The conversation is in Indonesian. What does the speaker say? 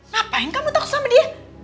ngapain kamu tahu sama dia